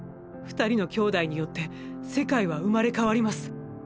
二人の兄弟によって世界は生まれ変わります。